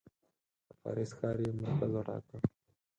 د پاریس ښار یې مرکز وټاکه.